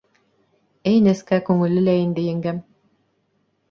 Әй нескә күңелле лә инде еңгәм!